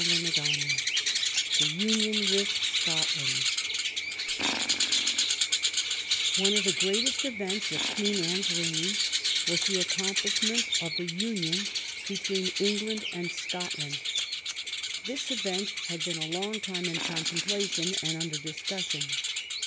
CHAPTER X THE UNION WITH SCOTLAND One of the greatest events of Queen Anne's reign was the accomplishment of the union between England and Scotland. This event had been a long time in contemplation and under discussion.